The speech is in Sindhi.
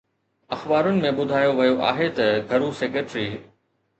اخبارن ۾ ٻڌايو ويو آهي ته گهرو سيڪريٽري